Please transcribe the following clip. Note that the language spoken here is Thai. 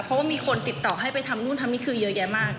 เพราะว่ามีคนติดต่อให้ไปทำนู่นทำนี่คือเยอะแยะมาก